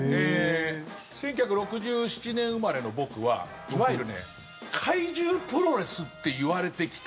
１９６７年生まれの僕はいわゆる怪獣プロレスっていわれてきた